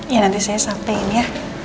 ya nanti saya sampein ya